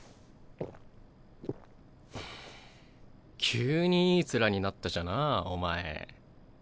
急にいい面になったじゃなあお前。